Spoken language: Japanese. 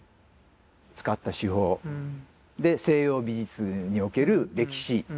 使った手法。で西洋美術における歴史。